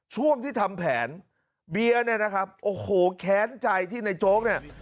ช่วงที่ทำแผนเบียร์เนี่ยนะครับโอ้โหแค้นใจที่ในโจ๊กเนี่ย